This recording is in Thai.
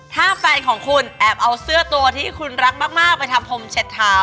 ถ้าแฟนของคุณแอบเอาเสื้อตัวที่คุณรักมากไปทำพรมเช็ดเท้า